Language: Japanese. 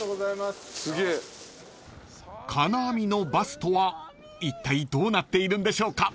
［金網のバスとはいったいどうなっているんでしょうか］